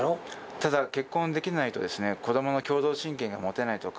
ただ結婚できないとですね子どもの共同親権が持てないとか。